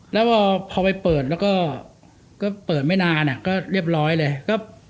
แล้วพอไปเปิดแล้วก็เปิดไม่นานก็เรียบร้อยเลย